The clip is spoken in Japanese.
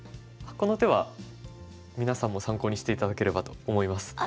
この手は皆さんも参考にして頂ければと思います。